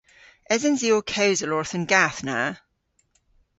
Esens i ow kewsel orth an gath na?